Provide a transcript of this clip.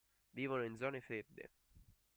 Vivono in zone fredde